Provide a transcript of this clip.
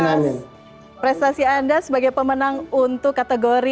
terima kasih sekali lagi dan selamat atas prestasi anda sebagai pemenang untuk kategori cetak ini